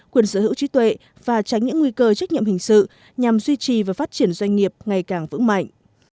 quyền sở hữu trí tuệ và tránh những nguy cơ trách nhiệm hình sự nhằm duy trì và phát triển doanh nghiệp ngày càng vững mạnh